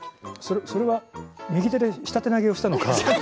それは右手で下手投げをしたのかい？